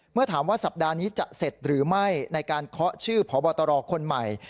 เมื่อถามว่าสัปดาห์นี้จะเสร็จหรือไม่ในการเคาะชื่อพบตรคนใหม่